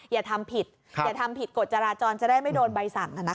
อย่าทำผิดกดจราจรจะได้ไม่โดนใบสั่ง